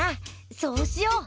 そうしよう。